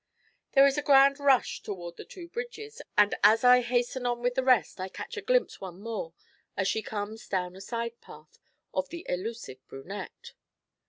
There is a grand rush toward the two bridges, and as I hasten on with the rest I catch a glimpse once more, as she comes down a side path, of the elusive brunette.